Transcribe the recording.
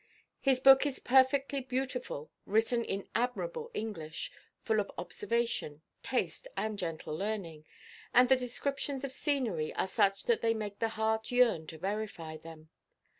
His book is perfectly beautiful, written in admirable English, full of observation, taste, and gentle learning; and the descriptions of scenery are such that they make the heart yearn to verify them.